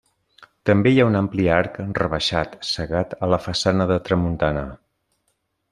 També hi ha un ampli arc rebaixat, cegat, a la façana de tramuntana.